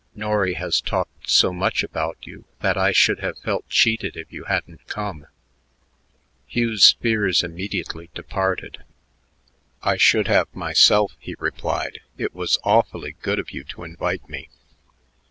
Norry has talked so much about you that I should have felt cheated if you hadn't come." Hugh's fears immediately departed. "I should have myself," he replied. "It was awfully good of you to invite me."